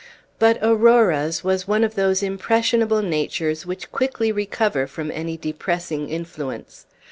But Aurora's was one of those impressionable natures which quickly recover from any depressing influence.